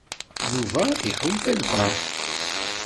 Yuba iḥulfa i lfeṛḥ.